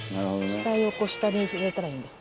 下横下に入れたらいいんだ。